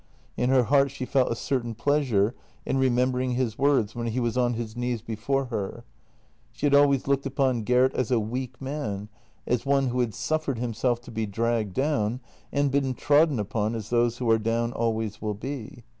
In her heart she felt a certain pleasure in remembering his words when he was on his knees before her. JENNY 191 She had always looked upon Gert as a weak man, as one who had suffered himself to be dragged down and been trodden upon as those who are down always will be.